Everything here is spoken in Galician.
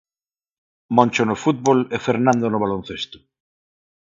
Moncho no fútbol e Fernando no baloncesto.